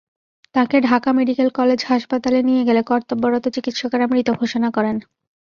তাঁকে Dhaka medical college হাসপাতালে নিয়ে গেলে কর্তব্যরত চিকিত্সকেরা মৃত ঘোষণা করেন।